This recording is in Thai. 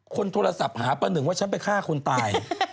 คนโทรศัพท์หาป้าหนึ่งว่าฉันไปฆ่าคนตาย